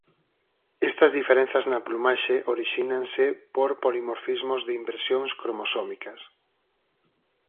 Estas diferenzas na plumaxe orixínanse por polimorfismos de inversións cromosómicas.